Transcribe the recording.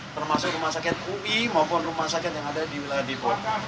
termasuk rumah sakit ui maupun rumah sakit yang ada di wilayah depok